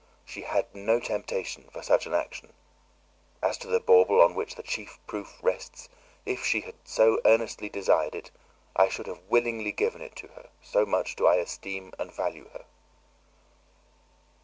She had no temptation for such an action; as to the bauble on which the chief proof rests, if she had earnestly desired it, I should have willingly given it to her, so much do I esteem and value her."